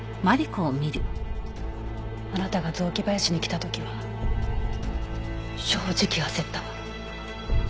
あなたが雑木林に来た時は正直焦ったわ。